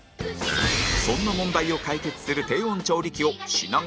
そんな問題を解決する低温調理器を品川がプレゼン